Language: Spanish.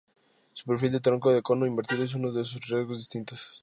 Su perfil de tronco de cono invertido es uno de sus rasgos distintivos.